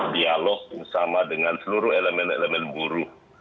dialog bersama dengan seluruh elemen elemen buruh